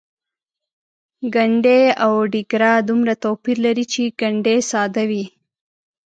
ګنډۍ او ډیګره دومره توپیر لري چې ګنډۍ ساده وي.